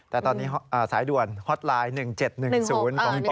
แต่ตอนนี้สายด่วนฮอตไลน์๑๗๑๐ของ๗